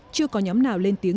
chưa có nhóm nào lên tiếng